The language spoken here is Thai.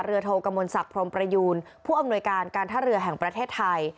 โทกมลศักดิพรมประยูนผู้อำนวยการการท่าเรือแห่งประเทศไทย